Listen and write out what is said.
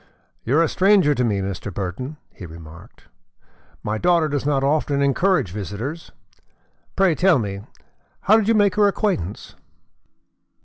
"You are a stranger to me, Mr. Burton," he remarked. "My daughter does not often encourage visitors. Pray tell me, how did you make her acquaintance?"